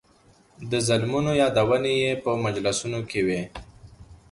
د ظلمونو یادونې یې په مجلسونو کې وې.